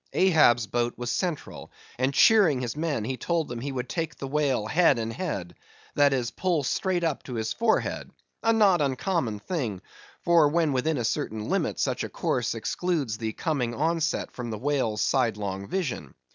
Ahab's boat was central; and cheering his men, he told them he would take the whale head and head,—that is, pull straight up to his forehead,—a not uncommon thing; for when within a certain limit, such a course excludes the coming onset from the whale's sidelong vision.